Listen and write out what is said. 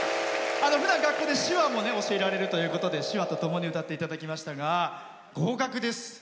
ふだん学校で手話も教えられるということで手話とともに歌っていただきましたが合格です。